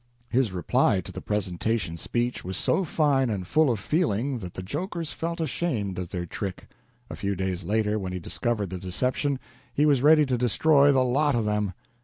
His reply to the presentation speech was so fine and full of feeling that the jokers felt ashamed of their trick. A few days later, when he discovered the deception, he was ready to destroy the lot of them.